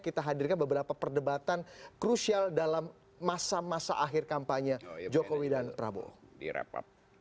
kita hadirkan beberapa perdebatan krusial dalam masa masa akhir kampanye jokowi dan prabowo